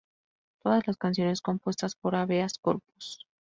Todas las canciones compuestas por Habeas Corpus.